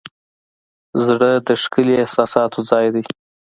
زړه د ښکلي احساسونو ځای دی.